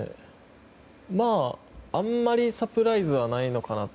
あまりサプライズはないのかなと。